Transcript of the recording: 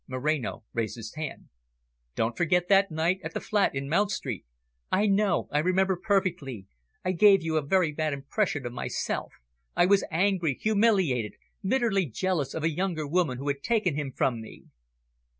Moreno raised his hand. "Don't forget that night at the flat in Mount Street." "I know, I remember perfectly. I gave you a very bad impression of myself. I was angry, humiliated, bitterly jealous of a younger woman who had taken him from me."